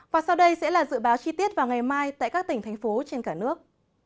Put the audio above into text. và sau đây sẽ là dự báo chi tiết vào ngày mai tại các tỉnh thành phố trên cả nước